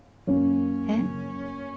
えっ？